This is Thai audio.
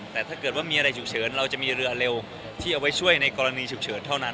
แต่ถ้าเกิดว่ามีอะไรฉุกเฉินเราจะมีเรือเร็วที่เอาไว้ช่วยในกรณีฉุกเฉินเท่านั้น